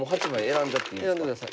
選んでください。